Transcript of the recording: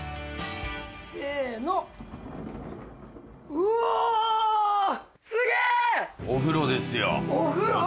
うわ！お風呂ですよお風呂。